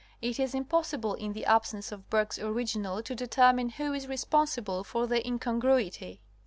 153 it is impossible in the absence of Bergh's original to determine who is responsible for the incongruity.